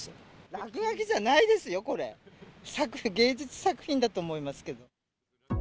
落書きじゃないですよ、これ、芸術作品だと思いますけど。